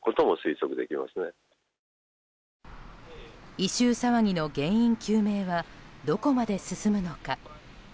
異臭騒ぎの原因究明はどこまで進むのか。